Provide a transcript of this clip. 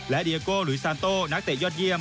และเดียโกหลุยซานโต้นักเตะยอดเยี่ยม